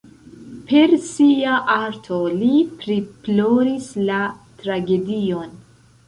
Per sia arto li priploris la tragedion.